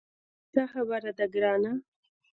څه خبره ده ګرانه.